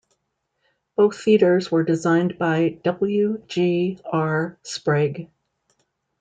Both theatres were designed by W. G. R. Sprague.